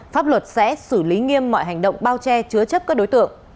pháp luật sẽ xử lý nghiêm mọi hành động bao che chứa chấp các đối tượng